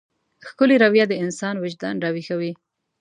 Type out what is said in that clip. ښکلې رويه د انسان وجدان راويښوي.